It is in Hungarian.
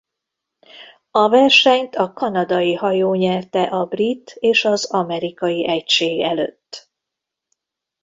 A versenyt a kanadai hajó nyerte a brit és az amerikai egység előtt.